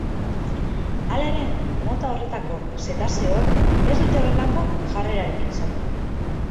Hala ere, mota horretako zetazeoek ez dute horrelako jarrerarik izaten.